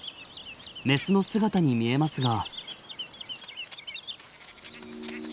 メスの姿に見えますが。